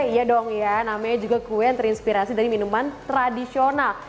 iya dong ya namanya juga kue yang terinspirasi dari minuman tradisional